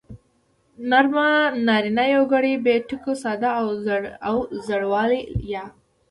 نرمه نارينه يوگړې بې ټکو ساده او زورواله يا